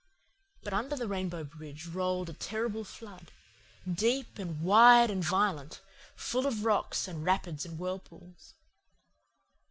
But under the Rainbow Bridge rolled a terrible flood, deep and wide and violent, full of rocks and rapids and whirlpools.